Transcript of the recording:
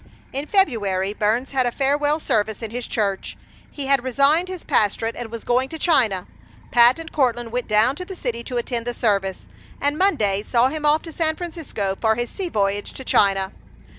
In February Burns had a farewell service in his church. He had resigned his pastorate and was going to China. Pat and Courtland went down to the city to attend the service; and Monday saw him off to San Francisco for his sea voyage to China.